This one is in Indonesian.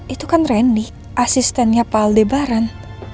itu kan randy asistennya pak aldebaran